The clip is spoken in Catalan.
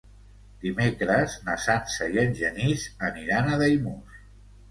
Dimecres na Sança i en Genís aniran a Daimús.